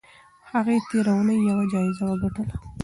هغې تېره اونۍ یوه جایزه وګټله.